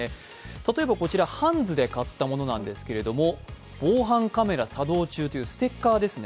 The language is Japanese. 例えばこちら、ハンズで買ったものなんですけれども「防犯カメラ作動中」というステッカーですね。